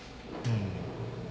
うん。